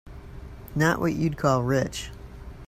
Not what you'd call rich.